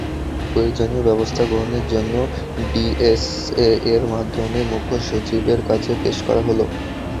প্রয়োজনীয় ব্যবস্থা গ্রহণের জন্য ডিএস-এর মাধ্যমে মুখ্য সচিবের কাছে পেশ করা হলো।